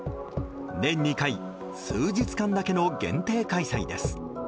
年２回、数日間だけの限定開催です。